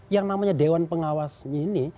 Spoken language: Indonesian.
yang namanya dewan pengawas ini